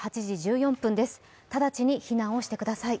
直ちに避難をしてください。